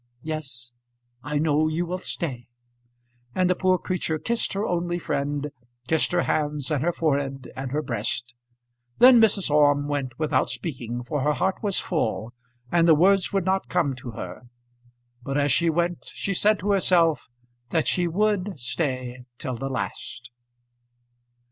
Yes; I know you will stay." And the poor creature kissed her only friend; kissed her hands and her forehead and her breast. Then Mrs. Orme went without speaking, for her heart was full, and the words would not come to her; but as she went she said to herself that she would stay till the last.